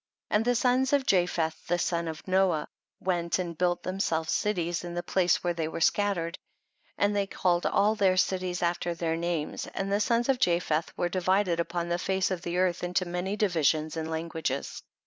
And the sons of Japheth the son of Noah went and built them selves cities in the places where they were scattered, and they called all their cities after their names, and the sons of Japheth were divided upon the face of the earth into many di visions and lancruages.